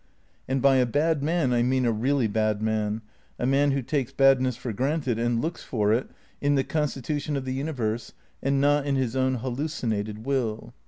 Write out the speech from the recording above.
And by a bad man I mean a really bad man, a man who takes badness for granted and looks for it in the constitution of the universe and not in his own hallucinated will.